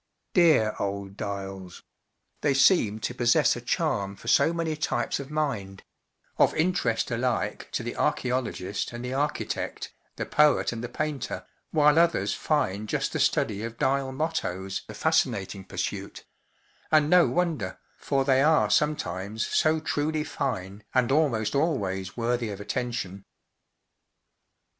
Dear old dials ! they seem to possess a charm for so many types of mind—of interest alike to the archeolo¬ gist and the architect, the poet and the painter, while others find just the study of dial mottoes a fascinating pursuit— and no wonder, for they are sometimes so truly fine and almost always worthy of attention.